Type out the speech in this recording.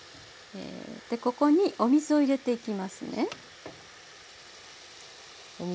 でここにお水を入れていきますね。